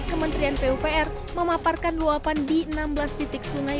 kementerian pupr memaparkan luapan di enam belas titik sungai